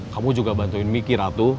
kamu juga bantuin mikir atu